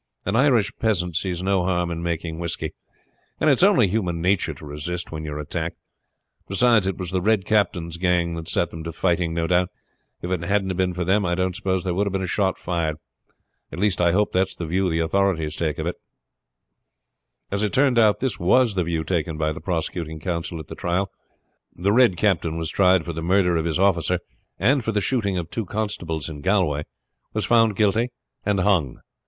An Irish peasant sees no harm in making whisky, and it's only human nature to resist when you are attacked; beside it was the Red Captain's gang that set them to fighting, no doubt. If it hadn't been for them I don't suppose there would have been a shot fired. I hope that's the view the authorities will take of it." As it turned out this was the view taken by the prosecuting counsel at the trial. The Red Captain was tried for the murder of his officer and for the shooting of two constables in Galway, was found guilty, and hung.